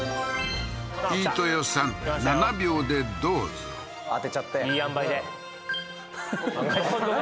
飯豊さん７秒でどうぞ当てちゃっていいあんばいで何？